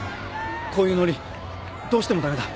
こういうノリどうしても駄目だ。